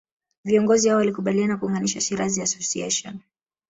Viongozi hao walikubaliana kuunganisha Shirazi Association